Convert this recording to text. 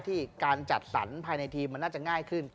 การจัดสรรภายในทีมมันน่าจะง่ายขึ้น